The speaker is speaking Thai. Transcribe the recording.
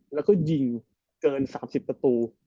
แล้วก็ยิงเกิน๓๐ประตู